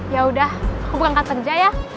ya udah aku berangkat kerja ya